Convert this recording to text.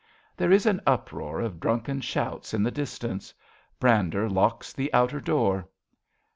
{There is an uproar of drunken shouts in the distance. Brander locks the outer door.)